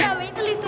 iya betul itu